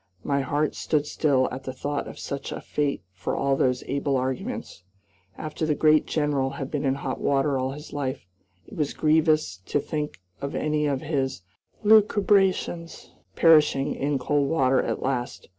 My heart stood still at the thought of such a fate for all those able arguments. After the great General had been in hot water all his life, it was grievous to think of any of his lucubrations perishing in cold water at last.